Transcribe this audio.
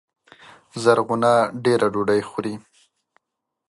زرغونه دېره ډوډۍ خوري